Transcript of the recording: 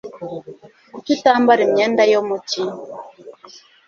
Kuki utambara imyenda yo mu cyi?